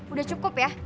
udah cukup ya